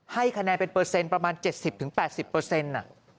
ให้คะแนนเป็นเปอร์เซ็นต์ประมาณ๗๐๘๐เปอร์เซ็นต์